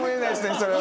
それは。